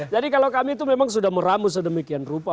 jadi kalau kami itu memang sudah merambut sedemikian rupa